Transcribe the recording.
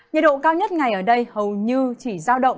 nhiệt độ cao nhất ngày ở đây hầu như chỉ giao động